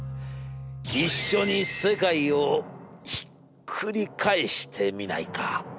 一緒に世界をひっくり返してみないか！』。